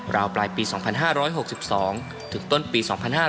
ปลายปี๒๕๖๒ถึงต้นปี๒๕๕๙